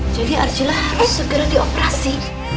jadi arsila harus segera dioperasi